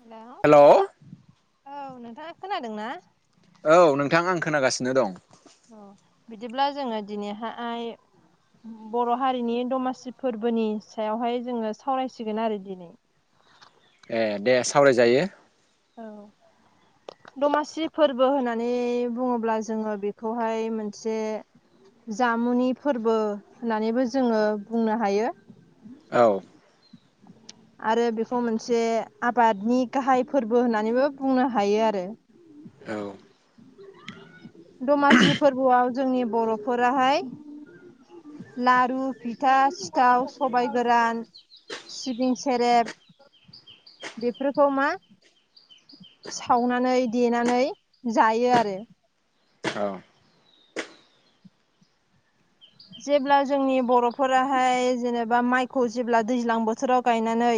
हेल' औ नोंथाङा खोनादों ना औ नोंथां आं खोनागासिनो दं बिदिब्ला जोङो दिनैहा आय बर' हारिनि दमासि फोरबोनि सायावहाय जोङो सावरायसिगोन आरो दिनै ए दे सावरायजायो औ दमासि फोरबो होननानै बुङोब्ला जोङो बेखौहाय मोनसे जामुनि फोरबो होननानैबो जोङो बुंनो हायो औ आरो बेखौ मोनसे आबादनि गाहाय फोरबो होननानैबो बुंनो हायो आरो औ दमासि फोरबोआव जोंनि बर'फोराहाय लारु फिथा सिथाव सबाय गोरान सिबिं सेरेब बेफोरखौ मा सावनानै देनानै जायो आरो औ जेब्ला जोंनि बर'फोराहाय जेनेबा माइखौ जेब्ला दैज्लां बोथोराव गायनानै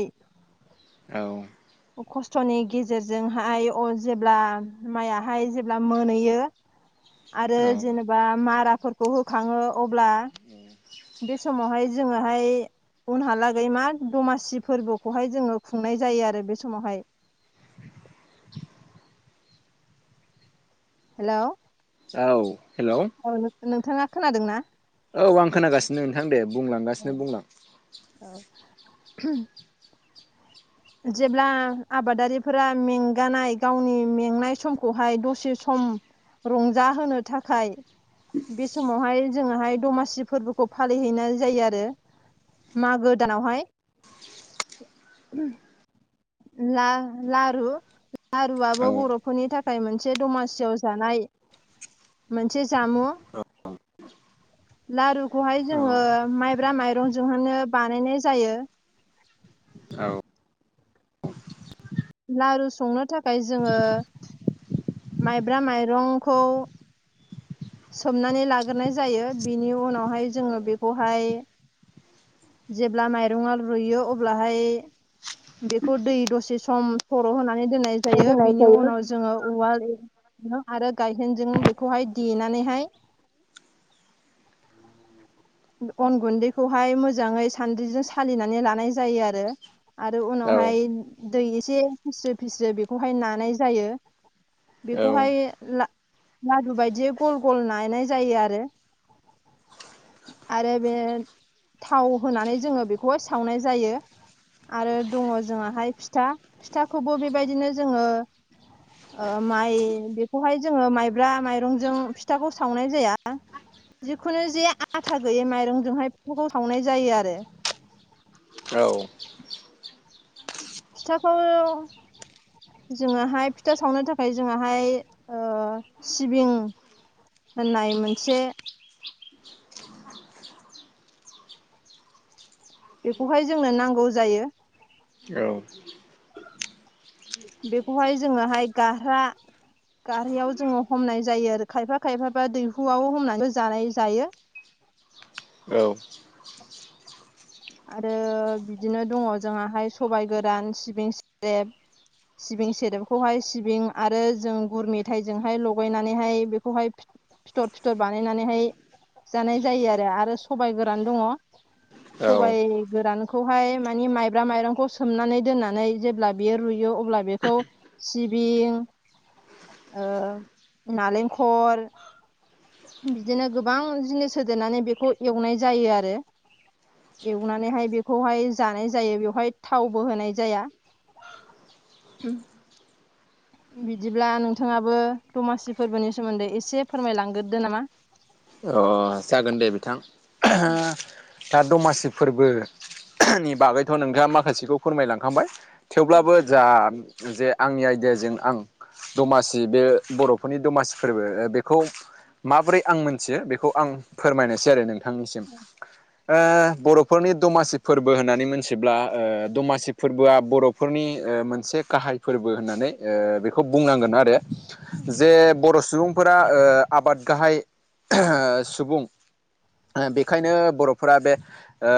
औ खस्थ'नि गेजेरजोंहाय आं जेब्ला माइआहाय जेब्ला मोनहैयो आरो औ जेनेबा माराफोरखौ होखाङो अब्ला बे समावहाय जोङोहाय उनहालागै मा दमासि फोरबोखौहाय जोङो खुंनाय जायो आरो बे समावहाय। हेलौ औ हेल' औ नों नोंथाङा खोनादों ना? औ आं खोनागासिनो नोंथां दे औ बुंलांगासिनो बुंलां [inaudible] जेब्ला आबादारिफोरा मेंगानाय गावनि मेंनाय समखौहाय दसे सम रंजाहोनो थाखाय बे समावहाय जोङोहाय दमासि फोरबोखौ फालिहैनाय जायो आरो मागो दानावहाय ला लारु लारुआबो औ बर'फोरनि थाखाय मोनसे दमासियाव जानाय मोसे जामु लारुखौहाय औ जोङो माइब्रा माइरंजोंनो बानायनाय जायो। औ लारु संनो थाखाय जोङो माइब्रा माइरंखौ सोमनानै लाग्रोनाय जायो बिनि उनावहाय जोङो बेखौहाय जेब्ला माइरंआ रुइयो अब्लाहाय बेखौ दै दसे सम थर' होनानै दोननाय जायो होनाय बिनि जायो उनाव जोङो उवाल आरो गायहेनजों बेखौहाय देनानैहाय अन गुनदैखौ फाय मोजाङै सान्द्रिजों सालिनानै लानाय जायो आरो। आरो औ उनावहाय दै एसे फिस्रो फिस्रो बेखौहाय नानाय जायो। औ बेखौहाय ला लादु बायदियै गल गल नायनाय जायो आरो। आरो बे थाव होनानै जोङो बेखौहाय सावनाय जायो। आरो दङ जोंआहाय फिथा फिथाखौबो बेबायदिनो जोङो ओ माइ बेखौहाय जोङो माइब्रा माइरंजों फिथाखौ सावनाय जाया। जिखुनु जे आथा गैयै माइरंजोंहाय फिथखौ सावनाय जायो आरो। औ। फिथाखौ जोङाहाय फिथा सावनो थाखाय जोंहाय ओ सिबिं होननाय मोनसे बेखौहाय जोंनो नांगौ जायो। औ। बेखौहाय जोङोहाय गारहा गारहायाव जोङो हमनाय जायो आरो खायफा खायफाबा दैहुआव हमनानै जानाय जायो। औ। आरो बिदिनो दङ जोंहा सबायाइ गोरान सिबिं स्रेब। सिबिं सरेबखौहाय सिबिं आरो जों गुर मेथाइजोंहाय लगायनानैहाय बेखौहाय फिथर फिथर बानायनानैहाय जानाय जायो आरो आरो सबायाइ गोरान दङ। सबायाइ गोरानखौहाय मानि माइब्रा माइरंखौ सोमनानै दोननानै जेब्ला बेयो रुयो अब्ला बेखौ सिबिं औ नालेंखल बिदिनो गोबां जिनिस होदेरनानै बेखौ एवनाय जायो आरो। एवनानैहाय बेखौहाय जानाय जायो बेवहाय थावबो होनाय जाया। उम। बिदिब्ला नोंथाङाबो दमासि फोर्बोनि सोमोन्दै एसे फोरमायलांगोरदो नामा? अ जागोन दे बिथां। दा दमासि फोर्बो नि बागैथ' नोंथाङा माखासेखौ फोरमायलांखांबाय थेवब्लाबो जा जे आंनि आइडियाजों आं दमासि बे बर'फोरनि दमासि फोर्बो बेखौ माबोरै आं मोन थियो बेखौ आं फोरमायनोसै आरो नोंथांनिसिम। ओ बर'फोरनि दमासि फोर्बो होननानै मोनथिब्ला ओ दमासि फोर्बोआ बर'फ फोरनि ओ मोनसे गाहाय फोर्बो होननानै बेखौ बुंनांगोन आरो जे बर' सुबुंफोरा ओ आबाद गाहाय सुबुं बेखायनो बर'फोरा बे ओ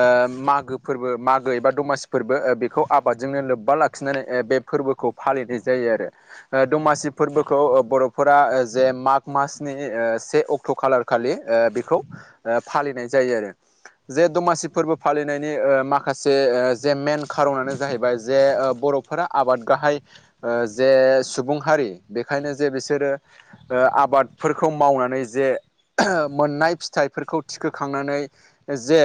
मागो फोर्बो मागो एबा दमासि फोर्बो बेखौ आबादजोंनो लोब्बा लाखिनानै बेप फोर्बोखौ फालिनाय जायो आरो। ओ दमासि फोर्बोखौ बर'फोरा जे माग मासनि ओ से अक्ट' अक्ट' खालार खालि ओ बेखौ फालिनाय जायो आरो। जे दमासि फोर्बो फालिनायनि माखासे जे मेन खारनानो जाहैबाय जे बर' फोरा आबाद गाहाय ओ जे सुबुं हारि बेखायनो जे बिसोरो ओ आबादफोरखौ मावनानै जे मोननाय फिथाइफोरखौ थिखोखांनानै जे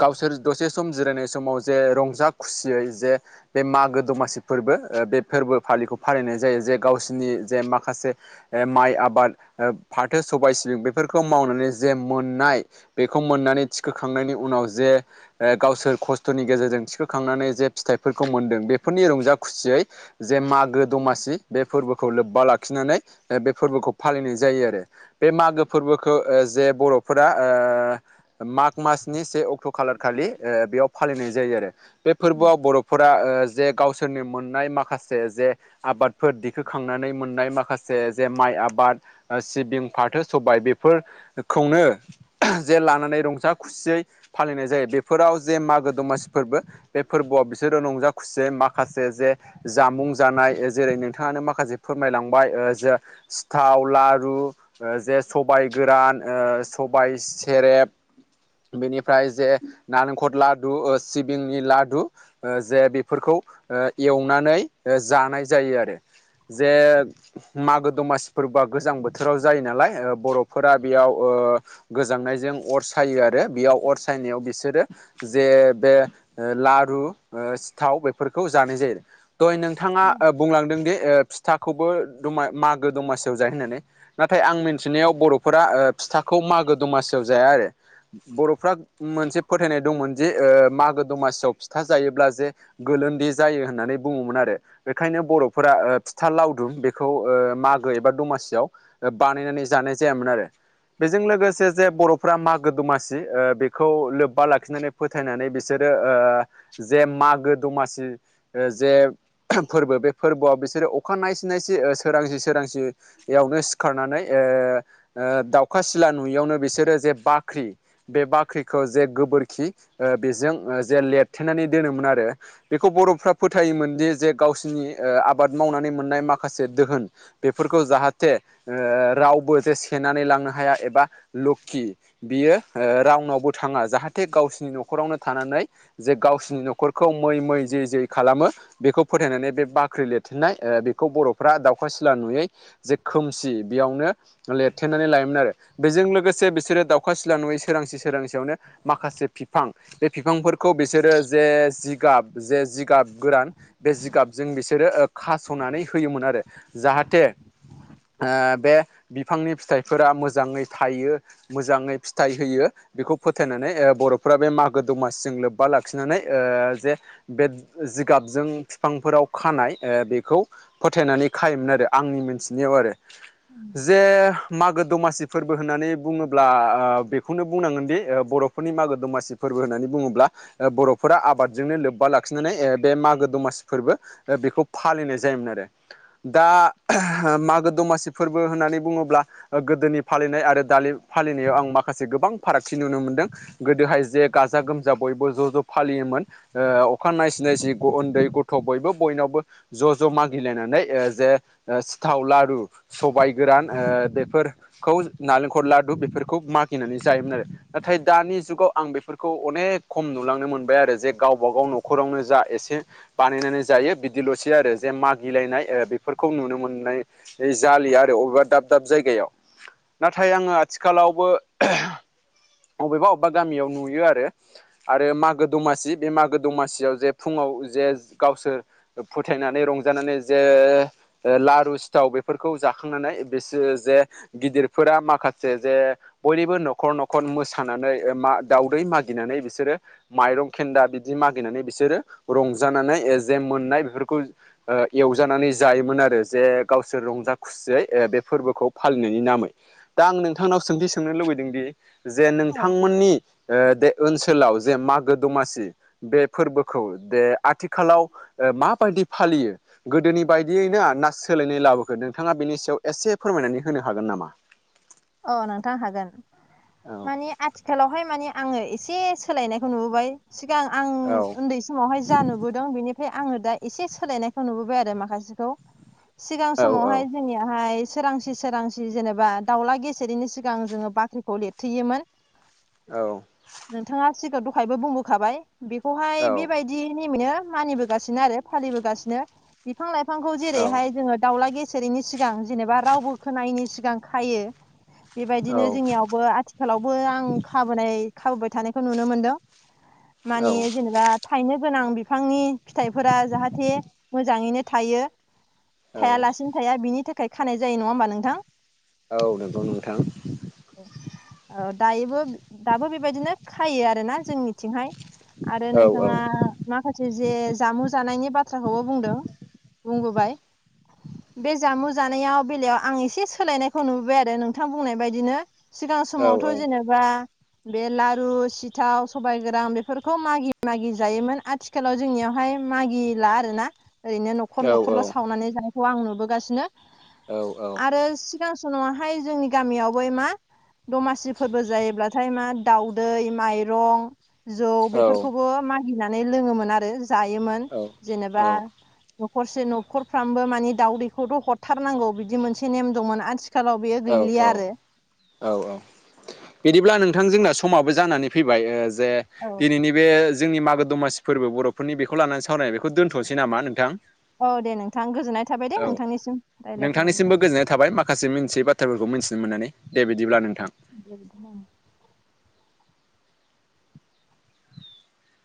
गावसोर दसे सम जिरायनाय समाव जे रंजा खुसियै जे बे मागो दमासि फोर्बो ओ बे फोर्बो फालिखौ फालिनाय जायो जे गावसिनि जे माखासे ए माइ आबाद ओ फाथो सबाय सिबिं बेफोरखौ मावनानै जे मोननाय बेखौ मोननानै थिखोखांनायनि उनाव जे ए गावसोर खस्थ'नि गेजेरजों थिखोखांनानै जे फिथाइफोरखौ मोन्दों बेफोरनि रंजा खुसियै जे मागो दमासि बे फोर्बोखौ लोब्बा लाखिनानै बे फोर्बोखौ फालिनाय जायो आरो। बे मागो फोर्बोखौ जे बर'फोरा ओ माग मासनि से अक्ट' खालार खालि ओ बेयाव फालिनाय जायो आरो। बे फोर्बोआव बर' फोरा जे गावसोरनि मोननाय माखासे जे आबादफोर दिखोखांनानै मोननाय माखासे जे माइ आबाद सिबिं फाथो सबबाय बेफोरखौनो जे लानानै रंजा खुसियै फालिनाय जायो बेफोराव जे मागो दमासि फोर्बो बे फोर्बोआव बिसरो रंजा खुसियै माखासे जे जामुं जानाय जेरै नोंथाङानो माखासे फोरमायलांबाय ओ जो सिथाव, लारु जे सबाय गोरान ओ सबाय सेरेब बेनिफ्राय जे नारेंखर लादु ओ सिबिंनि लादु ओ जे बेफोरखौ ओ एवनानै जानाय जायो आरो। जे मागो दमासि फोर्बोआ गोजां बोथोराव जायो नालाय ओ बर'फोरा बेयाव ओ गोजांनायजों अर सायो आरो बेयाव अर सायनायाव बिसोरो जे बे ओ लारु ओ सिथाव बेफोरखौ जानाय जायो। दहाय नोंथाङा ओ बुंलांदों दि ओ फिथाखौबो दमा मागो दमासियाव जायो होननानै नाथाय आं मिन्थिनायाव बर'फोरा ओ फिथाखौ मागो दमासियाव जाया आरो। बर'फ्रा मोनसे फोथायनाय दंमोन जे ओ मागो दमासियाव फिथा जायोब्ला जे गोलोन्दै जायो होननानै बुङोमोन आरो। बेखायनो बर'फोरा ओ फिथा लावदुम बेखौ ओ मागो एबा दमासियाव बानायनानै जानाय जायामोन आरो। बेजों लोगोसे जे बर'फ्रा मागो दमासि ओ बेखौ लोब्बा लाखिनानै फोथायनानै बिसोरो ओ जे मागो दमासि ओ जे फोर्बो बे फोर्बोआव बिसोरो अखा नायसि नायसि ओ सोरांसि सोरांसियावनो [unintelligible] ओ ओदाउखा सिला नुययावनो बिसोरो जे बाख्रि बे बाख्रिखौ जे गोबोरखि ओ बेजों ओ जे लेरथेनानै दोनोमोन आरो। बेखौ बर'फ्रा फोथायोमोनदि जे गावसिनि ओ आबाद मावनानै मोननाय माखासे दोहोन बेफोरखौ जाहाथे ओ रावबो जे सेनानै लांनो हाया एबा लखि बियो ओ राउनावबो थाङा जाहाथे गावसिनि न'खरावनो थानानै जे गावसिनि न'खरखौ मै मै जै जै खालामो। बेखौ फोथायनानै बे बाख्रि लिरथेनाय ओ बेखौ बर'फ्रा दावउखा सिला नुयै जे खोम सि बेयावनो लेरथेनानै लायोमोन आरो। बेजों लोगोसे बिसोरो दावउखा सिला नङै सोरांसि सोरांसियावनो माखासे फिफां बे फिफांफोरखौ बिसोरो जे जिगाब जे जिगाब गोरान बे जिगाबजों बिसोरो ओ खास'नानै होयोमोन आरो। जाहाथे ओ बे बिफांनि फिथाइफोरा मोजाङै थायो मोजाङै फिथाइ होयो बेखौ फोथायनानै ओ बर'फोरा बे मागो दमासिजों लोब्बा लाखिनानै ओ जे बे जिगाबजों फिफांफोराव खानाय बेखौ फोथायनानै खायोमोन आरो आंनि मोन्थिनायाव आरो। उम। जे मागो दमासि फोर्बो होननानै बुङोब्ला बेखौनो बुंनांगोनदि ओ बर' फोरनि मागो दमासि फोर्बो होननानै बुङोब्ला ओ बर'फोरा आबादजोंनो लोब्बा लाखिनानै बे मागो दमासि फोर्बो ओ बेखौ फालिनाय जायोमोन आरो। दा मागो दमासि फोर्बो होननानै बुङोब्ला ओ गोदोनि फालिनाय आरो दालि फालिनायाव आं माखासे गोबां फारागथि नुनो मोनदों। गोदोहाय जे गाजा गोमजा बयबो ज' ज' फालियोमोन ओ अखा नायसि नायसि उन्दै गथ' बयबो बयनावबो ज' ज' मागिलायनानै ओ जे ओ सिथाव लारु सबाय गोरान ओ बेफोरखौ नालेंखर लादु बेफोरखौ मागिनानै जायोमोन आरो। नाथाय दानि जुगाव आं बेफोरखौ अनेक खम नुलांनो मोनबाय आरो जे गावबा गाव न'खरावनो जा एसे बानायनानै जायो बिदिल'सै आरो जे मागिलायनाय ओ बेफोरखौ नुनो मोननाय जालिया आरो अबेबा दाब दाब जायगायाव। नाथाय आङो आथिखालावबो बबेबा अबेबा गामियाव नुयो आरो। आरो मागो दमासि बे मागो दमासियाव जे फुङाव जे गावसोर फोथायनानै रंजानानै जे लारु सिथाव बे फोरखौ जाखांनानै बिसोरो जे गिदिरफोरा माखासे जे बयनिबो न'खर न'खर मोसानानै मा दावदै मागिनानै बिसोरो माइरं खेन्दा बिदि मागिनानै बिसोरो रंजानानै जे मोननाय बेफोरखौ ओ एवजानानै जायोमोन आरो जे गाव सोर रंजा खुसियै ओ बे फोरबोखौ फालिनायनि नामै दा आं नोंथांनाव सोंथि सोंनो लुबैदों दि जे औ नोंथांमोननि ओ बे ओनसोलाव जे मागो दमासि बे फोरबोखौ दे आथिखालाव ओ माबायदि फालियो गोदोनि बायदियै ना ना सोलायनाय लाबोखो नोंथाङा बेनि सायाव एसे फोरमायनानै होनो हागोन नामा? अ नोंथां हागोन। औ मानि आथिखालावहाय माने आङो एसे सोलायनायखौ नुबोबाय सिगां आं औ। उन्दै समावहाय जा नुबोदों बेनिफ्राय आङो दा एसे सोलायनायखौ नुबोबाय आरो माखासेखौ। सिगां औ समावहाय जोंनियाहाय सोरांसि सोरांसि जेनेबा दावला गे सिरिनि सिगां जोङो बाख्रिखौ लिरथेयोमोन। औ। नोंथाङा सिगाङाव दहायबो बुंबोखाबाय बेखौहाय औ बेबाय बिदि नेमैनो मानिबोगासिनो आरो फालिबोगासिनो बिफां लाइफांखौ जेरैहाय जोङो दावला गे सेरैनि सिगां जेनेबा रावबो खोनायैनि सिगां खायो बेबायदिनो जोंनियावबो आथि लावबो आं खाबोनाय खाबोबाय थानायखौ नुनो मोनदों औ मानि जेनेबा थायनो गोनां बिफांनि फिथाइफोरा जाहाथे मोजाङैनो थायो। थायालासिनो थाया बिनि थाखाय खानाय जायो नङा होमबा नोंथां। औ नंगौ नोंथां। औ दायोबो दाबो बेबायदिनो खायो आरोना जोंनि थिंहाय आरो औ नोंथाङा माखासे जे जामु जानायनि बाथ्राखौबो बुंदों बुंबोबाय बे जामु जानायाव बेलायाव आं एसे सोलायनायखौ नुबोबाय आरो नों थां बुंनाय बायदिनो सिगां औ समावथ' औ जेनेबा बे लारु सिथाव सबाइ गोरान बेफोरखौ मागि मागि जायोमोन आथि खालाव जोंनियावहाय मागिला आरो ना ओरैनो न' खर औ न'खरल' सावनानै जानायखौ आं नुबोगासिनो। औ औ। आरो सिगां सम नावाहाय जोंनि गामियाव बै मा दमासि फोरबो जायोब्लाथाय मा दाउदै माइरं जौ बेफोरखौबो मागिनानै लोङोमोन आरो जायोमोन औ जेनेबा न'खरसे न'खरफ्रामबो मानि दावदैखौथ' हरथारनांगौ बिदि मोनसे नेम दंमोन आथिखालाव बे औ औ। औ औ बिदिब्ला नोंथां जोंना समाबो जानानै फैबाय ओ जे औ दिनैनि बे जोंनि मागो दमासि फोरबो बर' बेफोरनि बेखौ लानानै सावरायनाय बेखौ दोनथ'नोसै नामा नोंथां? औ दे नोंथां गोजोननाय थाबाय दे औ नोंथांनिसिम रायलायफानायनि नोंथांनिसिमबो थाखाय। गोजोननाय थाबाय माखासे मिथियै बाथ्राफोरखौ मिथिनो मोननानै दे बिदिब्ला नोंथां। [unintelligible]